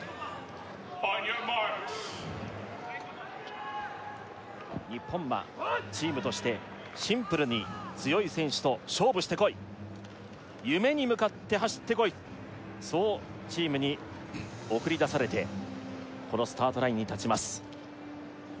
Ｏｎｙｏｕｒｍａｒｋｓ日本はチームとしてシンプルに強い選手と勝負してこい夢に向かって走ってこいそうチームに送り出されてこのスタートラインに立ちます